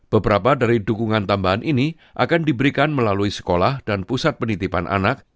beberapa dari dukungan tambahan ini akan diberikan melalui sekolah dan pusat penitipan anak